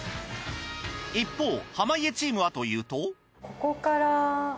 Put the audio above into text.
一方濱家チームはというと。